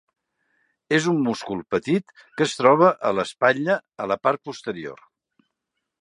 És un múscul petit que es troba a l'espatlla, a la part posterior.